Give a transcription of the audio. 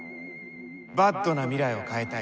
ＢＡＤな未来を変えたい。